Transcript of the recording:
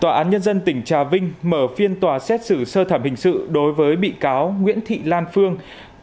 tòa án nhân dân tỉnh trà vinh mở phiên tòa xét xử sơ thẩm hình sự đối với bị cáo nguyễn thị lan phương